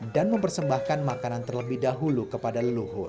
dan mempersembahkan makanan terlebih dahulu kepada leluhur